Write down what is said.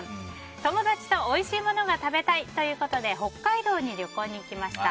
友達と、おいしいものが食べたいということで北海道に旅行に行きました。